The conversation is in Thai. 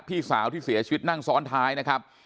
พี่สาวที่เสียชีวิตนั่งซ้อนท้ายนะครับ